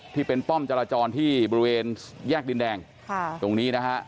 ที่เป็นป้อมจรจรที่บริเวณแยกดินแดงค่ะตรงนี้นะฮะ